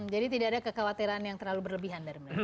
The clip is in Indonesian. jadi tidak ada kekhawatiran yang terlalu berlebihan dari mereka